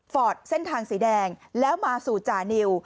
เส้นทางสีแดงแล้วมาสู่จานิว